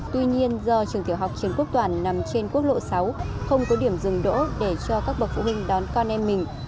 tuy nhiên do trường tiểu học trần quốc toàn nằm trên quốc lộ sáu không có điểm dừng đỗ để cho các bậc phụ huynh đón con em mình